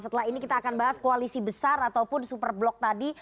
setelah ini kita akan bahas koalisi besar ataupun super blok tadi